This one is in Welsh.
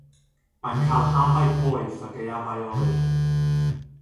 Mae'n cael hafau poeth a gaeafau oer.